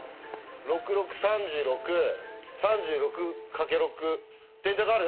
６×６＝３６３６×６電卓ある？